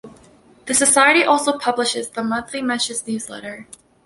The Society also publishes the "Monthly Mentions" newsletter.